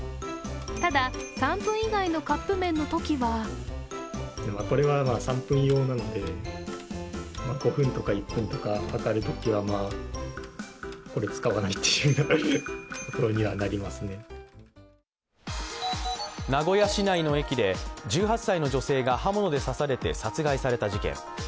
ただ、３分以外のカップ麺のときは名古屋市内の駅で１８歳の女性が刃物で刺されて殺害された事件。